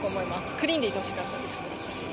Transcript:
クリーンでいてほしかったです、もう少し。